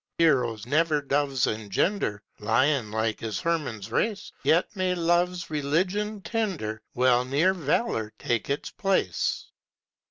Heroes never doves engender, Lionlike is Hermann's race; Yet may love's religion tender Well near valour take its place.